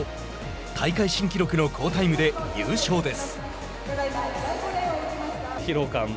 大会新記録の好タイムで優勝です。